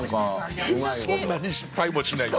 そんなに失敗もしないんだ。